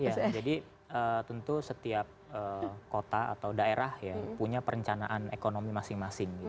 jadi tentu setiap kota atau daerah punya perencanaan ekonomi masing masing